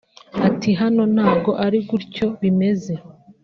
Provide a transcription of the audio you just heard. Ati "Hano ntago ari gutyo bimeze